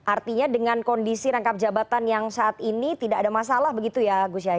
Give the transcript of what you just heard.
artinya dengan kondisi rangkap jabatan yang saat ini tidak ada masalah begitu ya gus yah